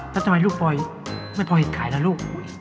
แล้วทำไมลูกปอยไม่พอเห็นขายล่ะลูก